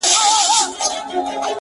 دا د افغان د لوی ټبر مېنه ده!!